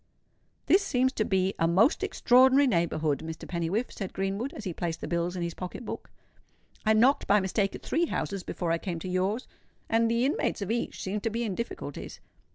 "This seems to be a most extraordinary neighbourhood, Mr. Pennywhiffe," said Greenwood, as he placed the bills in his pocket book. "I knocked by mistake at three houses before I came to yours, and the inmates of each seemed to be in difficulties."